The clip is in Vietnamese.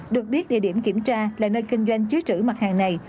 được biết địa điểm kiểm tra là nơi kinh doanh chứa trữ mặt hàng này